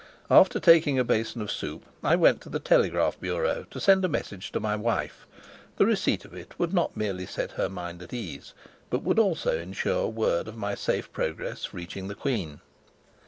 After taking a basin of soup, I went to the telegraph bureau to send a message to my wife; the receipt of it would not merely set her mind at ease, but would also ensure word of my safe progress reaching the queen.